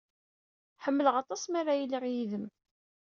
Ḥemmleɣ aṭas mi ara iliɣ yid-m.